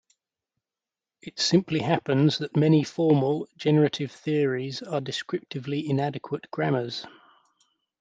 It simply happens that many formal, generative theories are descriptively inadequate grammars.